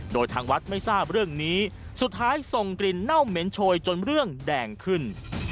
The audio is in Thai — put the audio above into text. โดยทางวัดไม่ทราบเรื่องนี้สุดท้ายส่งกลิ่นเน่าเหม็นโชยจนเรื่องแดงขึ้น